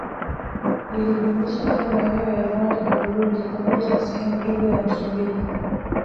Ilijumlisha pia maeneo ya Rwanda na Burundi pamoja na sehemu ndogo ya Msumbiji